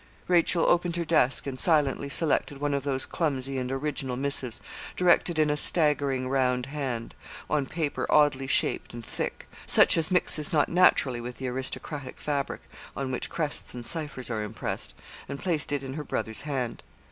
Rachel opened her desk, and silently selected one of those clumsy and original missives, directed in a staggering, round hand, on paper oddly shaped and thick, such as mixes not naturally with the aristocratic fabric, on which crests and ciphers are impressed, and placed it in her brother's hand.